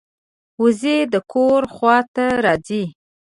وزې د کور خوا ته راځي